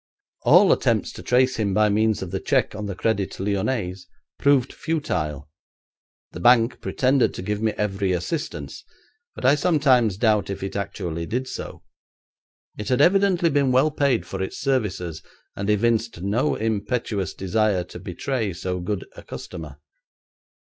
All attempts to trace him by means of the cheque on the Crédit Lyonnais proved futile. The bank pretended to give me every assistance, but I sometimes doubt if it actually did so. It had evidently been well paid for its services, and evinced no impetuous desire to betray so good a customer.